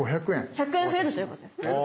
１００円増えるということですね。